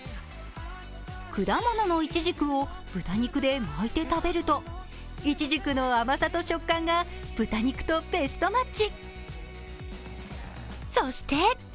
果物のイチジクを豚肉で巻いて食べるとイチジクの甘さと食感が豚肉とベストマッチ。